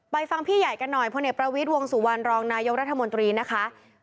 ฟังพี่ใหญ่กันหน่อยพลเอกประวิทย์วงสุวรรณรองนายกรัฐมนตรีนะคะ